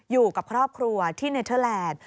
อยู่กับครอบครัวที่เนเทอร์แลนด์